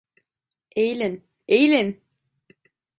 Eğilin, eğilin!